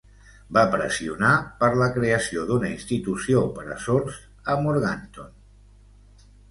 Va pressionar per la creació d'una institució per a sords a Morganton.